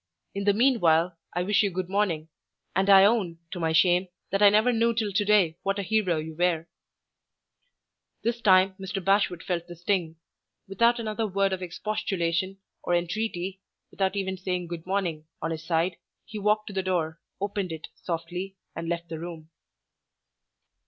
In the meanwhile, I wish you good morning and I own, to my shame, that I never knew till to day what a hero you were." This time, Mr. Bashwood felt the sting. Without another word of expostulation or entreaty, without even saying "Good morning" on his side, he walked to the door, opened it, softly, and left the room.